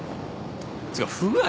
つうか不具合